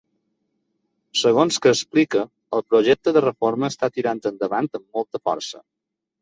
Segons que explica, el projecte de reforma està tirant endavant amb molta força.